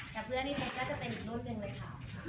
แทบเพื้อนก็จะเป็นอีกรุ่นหนึ่งเลยค่ะ